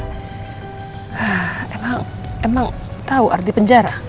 hah emang emang tau arti penjara